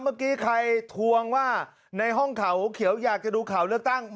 เมื่อกี้ใครทวงว่าในห้องเขาเขียวอยากจะดูข่าวเลือกตั้ง